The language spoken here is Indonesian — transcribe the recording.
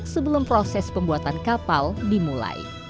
sebelum proses pembuatan kapal dimulai